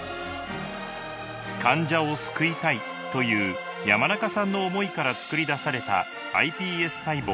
患者を救いたいという山中さんの思いからつくり出されたｉＰＳ細胞。